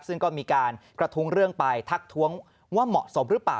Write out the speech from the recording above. ซึ่งก็มีการกระทุ้งเรื่องไปทักท้วงว่าเหมาะสมหรือเปล่า